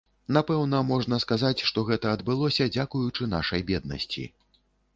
Напэўна, можна сказаць, што гэта адбылося дзякуючы нашай беднасці.